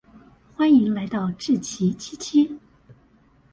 歡迎來到志祺七七